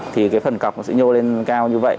thì phần cọc sẽ nhô lên cao như vậy